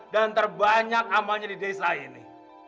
dan terbanyak amalnya di desa ini